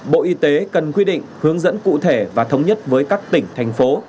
bộ y tế cần quy định hướng dẫn cụ thể và thống nhất với các tỉnh thành phố